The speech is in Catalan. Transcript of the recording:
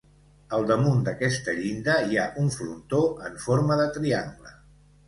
Al damunt d'aquesta llinda hi ha un frontó en forma de triangle.